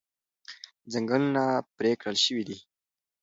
ځنګلونه پرې کړل شوي دي.